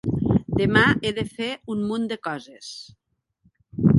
Demà he de fer un munt de coses.